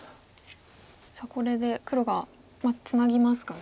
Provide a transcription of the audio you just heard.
さあこれで黒がツナぎますかね。